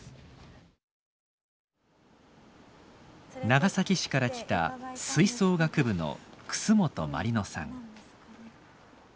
長崎市から来た吹奏楽部の楠本毬乃さん。